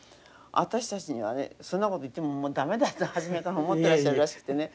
私たちにはねそんなこと言ってももう駄目だと初めから思ってらっしゃるらしくてね。